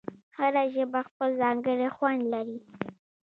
هره ژبه خپل ځانګړی خوند لري.